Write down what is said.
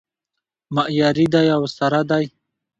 معیاري دی او سره دی